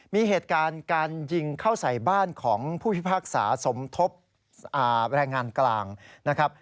มีเหตุการณ์การยิงเข้าใส่บ้านของผู้พิพากษาสมทบแรงงานกลางนะครับ